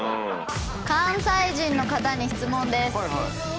関西人の方に質問です。